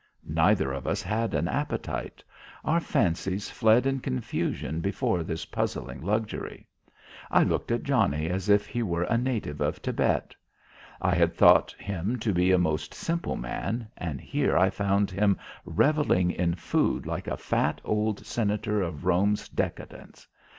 Neither of us had an appetite. Our fancies fled in confusion before this puzzling luxury. I looked at Johnnie as if he were a native of Thibet. I had thought him to be a most simple man, and here I found him revelling in food like a fat, old senator of Rome's decadence.